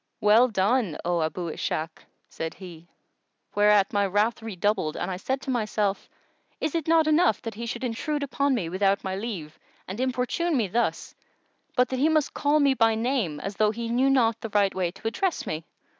"Well done, O Abu Ishak!"[FN#120] said he; whereat my wrath redoubled and I said to myself, "Is it not enough that he should intrude upon me, without my leave, and importune me thus, but he must call me by name, as though he knew not the right way to address me?"